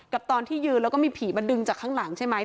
ตอนที่ยืนแล้วก็มีผีมาดึงจากข้างหลังใช่ไหม